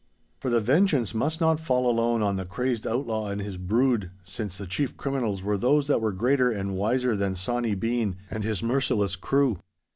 For the vengeance must not fall alone on the crazed outlaw and his brood, since the chief criminals were those that were greater and wiser than Sawny Bean and his merciless crew.